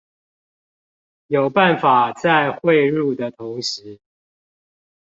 有辦法在匯入的同時